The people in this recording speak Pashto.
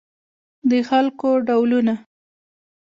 د خلکو ډولونه